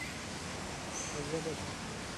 دا ژبه به مو تل ملاتړ کوي.